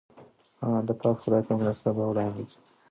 د پاک خدای په مرسته به وړاندې ځو.